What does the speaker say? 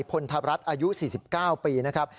พลธรัฐอายุ๔๙ปีนะครับ